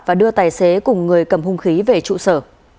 và đưa tài xế cùng người cầm hung khí về trụ sở